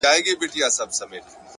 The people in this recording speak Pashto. عقلمن انسان د احساساتو بندي نه وي!